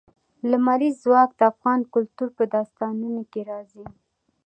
لمریز ځواک د افغان کلتور په داستانونو کې راځي.